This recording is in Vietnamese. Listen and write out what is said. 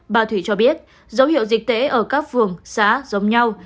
bà thủy cho biết dấu hiệu dịch tễ ở các phường xã giống nhau